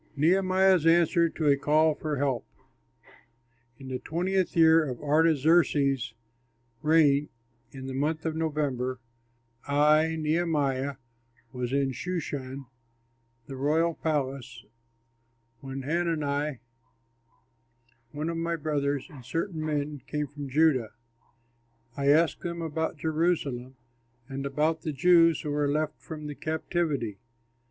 NEHEMIAH'S ANSWER TO A CALL FOR HELP In the twentieth year of Artaxerxes' reign, in the month of November, I (Nehemiah) was in Shushan, the royal palace, when Hanani, one of my brothers, and certain men came from Judah. I asked them about Jerusalem and about the Jews who were left from the captivity.